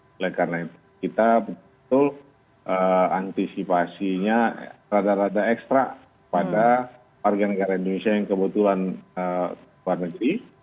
oleh karena itu kita betul betul antisipasinya rada rada ekstra pada warga negara indonesia yang kebetulan luar negeri